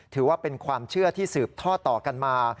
ถือว่าเป็นความเชื่อที่สืบท่อต่อกันมา